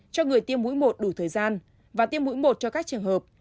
cho người tiêm mũi một đủ thời gian và tiêm mũi một cho các trường hợp